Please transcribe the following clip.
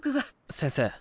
先生